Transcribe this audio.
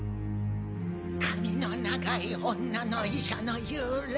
髪の長い女の医者の幽霊。